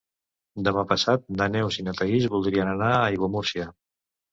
Demà passat na Neus i na Thaís voldrien anar a Aiguamúrcia.